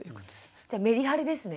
じゃあメリハリですね。